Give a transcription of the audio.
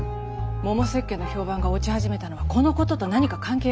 もも石鹸の評判が落ち始めたのはこのことと何か関係あるのでは？